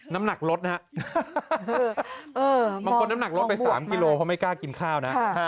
น้ำหนักลดนะฮะบางคนน้ำหนักลดไป๓กิโลเพราะไม่กล้ากินข้าวนะ